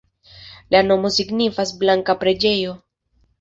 La nomo signifas: "blanka preĝejo".